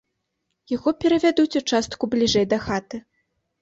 Яго перавядуць у частку бліжэй да хаты.